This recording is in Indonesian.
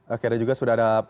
oke ada juga sudah ada